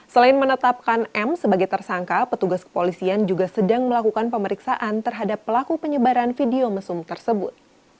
selain menetapkan m sebagai tersangka petugas kepolisian juga sedang melakukan pemeriksaan terhadap pelaku penyebaran video mesum tersebut